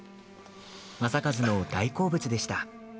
正一の大好物でした。